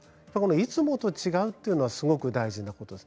いつもと違うというのはすごく大事なことです。